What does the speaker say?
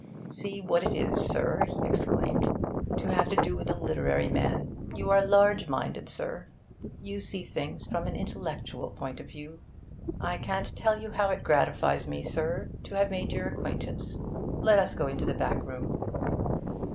'See what it is, sir,' he exclaimed, 'to have to do with a literary man! You are large minded, sir; you see things from an intellectual point of view. I can't tell you how it gratifies me, sir, to have made your acquaintance. Let us go into the back room.'